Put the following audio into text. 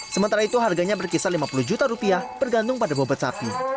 sementara itu harganya berkisar lima puluh juta rupiah bergantung pada bobot sapi